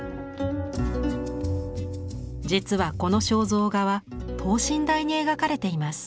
実はこの肖像画は等身大に描かれています。